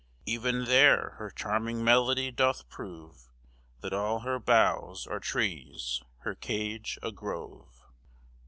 Even there her charming melody doth prove That all her boughs are trees, her cage a grove.